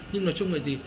nhưng nói chung là gì